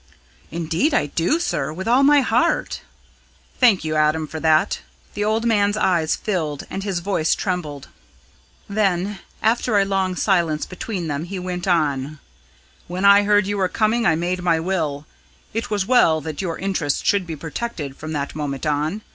"Indeed I do, sir with all my heart!" "Thank you, Adam, for that." The old, man's eyes filled and his voice trembled. Then, after a long silence between them, he went on: "When I heard you were coming I made my will. It was well that your interests should be protected from that moment on.